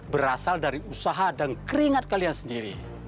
berasal dari usaha dan keringat kalian sendiri